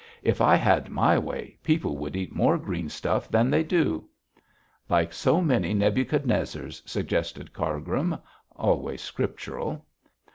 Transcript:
If I had my way, people should eat more green stuff than they do.' 'Like so many Nebuchadnezzars,' suggested Cargrim, always scriptural.